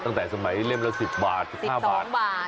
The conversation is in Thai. ตั้งแต่สมัยเล่มละ๑๐บาท๑๕บาท